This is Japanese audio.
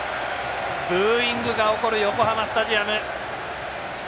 ブーイングが起こる横浜スタジアム。